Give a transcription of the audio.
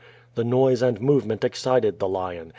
The noise and movement excited the lion.